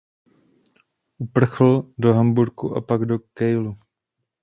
Uprchl do Hamburku a pak do Kielu.